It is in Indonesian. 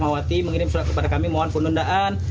mengirim surat kepada kami mohon pendundaan